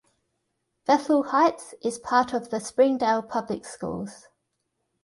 Bethel Heights is part of the Springdale Public Schools.